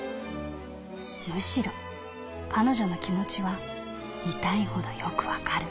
むしろ彼女の気持ちは痛いほどよくわかる」。